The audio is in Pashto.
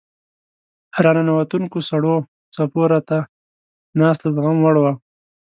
راننوتونکو سړو څپو راته نه ناسته زغموړ وه.